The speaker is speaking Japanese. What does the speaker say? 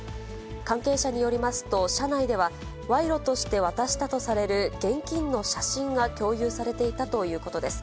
関係者によりますと、社内では、賄賂として渡したとされる現金の写真が共有されていたということです。